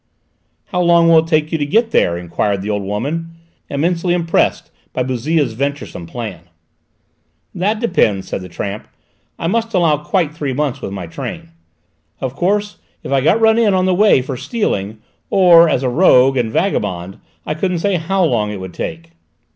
"How long will it take you to get there?" enquired the old woman, immensely impressed by Bouzille's venturesome plan. "That depends," said the tramp. "I must allow quite three months with my train. Of course if I got run in on the way for stealing, or as a rogue and vagabond, I couldn't say how long it would take."